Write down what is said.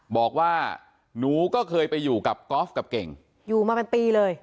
บอกว่าหนูก็เคยไปอยู่กับกอล์ฟกับเก่งอยู่มาเป็นปีเลย